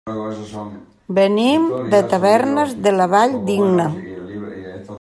Venim de Tavernes de la Valldigna.